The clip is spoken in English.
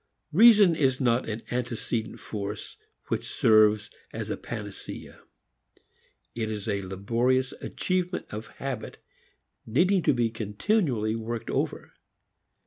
"Reason" is not an antecedent force which serves as a panacea. It is a laborious achievement of habit needing to be continually worked over.